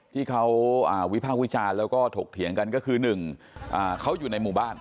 ที่เขาอ่าวิภาควิชาแล้วก็ถกเถียงกันก็คือหนึ่งอ่าเขาอยู่ในหมู่บ้าน